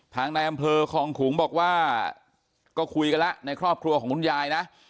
ในอำเภอคองขุงบอกว่าก็คุยกันแล้วในครอบครัวของคุณยายนะ